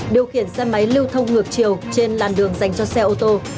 điều khiển xe máy lưu thông ngược chiều trên làn đường dành cho xe ô tô